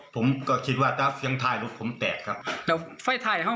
ผมก็คิดว่าถ้าเสียงไทยรถผมแตกครับแล้วไฟไทยฮะ